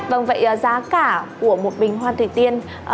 vâng vậy giá cả của một bình hoa thời tiên